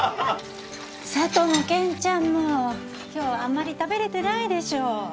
佐都も健ちゃんも今日はあんまり食べれてないでしょ。